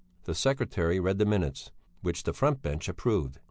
The secretary read the minutes, which the front bench approved.